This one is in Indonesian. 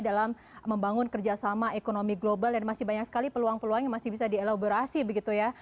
dalam membangun kerjasama ekonomi global dan masih banyak sekali peluang peluang yang masih bisa dielaborasi begitu ya